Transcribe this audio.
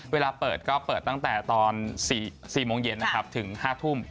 เวลาเปิดก็เปิดตั้งแต่ตอน๔๐๐มถึง๕๐๐ชั่วร้านทุ่ม